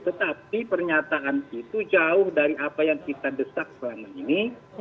tetapi pernyataan itu jauh dari apa yang kita desak selama ini